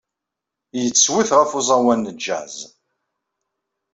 Yettwet ɣef uẓawan n jazz.